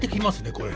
これ。